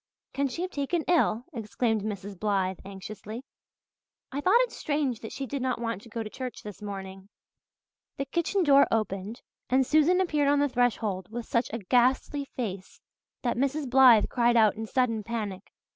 "Can she have taken ill?" exclaimed Mrs. Blythe anxiously. "I thought it strange that she did not want to go to church this morning." The kitchen door opened and Susan appeared on the threshold with such a ghastly face that Mrs. Blythe cried out in sudden panic.